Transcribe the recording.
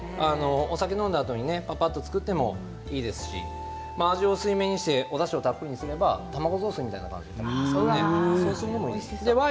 お酒を飲んだあとに作ってもいいですし味を薄くしておだしをたっぷりにすれば卵雑炊のような感じなりますから。